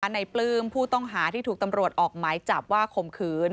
ในปลื้มผู้ต้องหาที่ถูกตำรวจออกหมายจับว่าข่มขืน